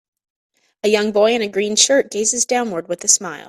A young boy in a green shirt gazes downward with a smile